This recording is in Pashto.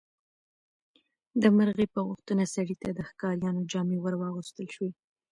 د مرغۍ په غوښتنه سړي ته د ښکاریانو جامې ورواغوستل شوې.